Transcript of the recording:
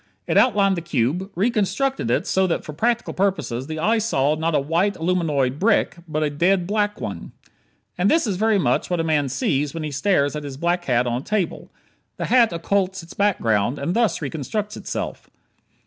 It outlined the cube; reconstructed it so that for practical purposes the eye saw not a white, aluminoid brick, but a dead black one. And this is very much what a man sees when he stares at his black hat on a table. The hat occults its background, and thus reconstructs itself.